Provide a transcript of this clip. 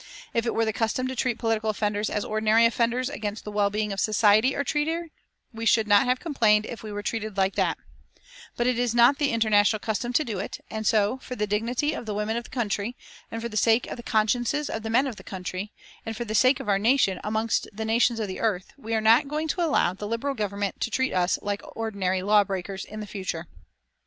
If it were the custom to treat political offenders as ordinary offenders against the well being of society are treated, we should not have complained if we were treated like that; but it is not the international custom to do it, and so, for the dignity of the women of the country, and for the sake of the consciences of the men of the country, and for the sake of our nation amongst the nations of the earth, we are not going to allow the Liberal government to treat us like ordinary law breakers in future."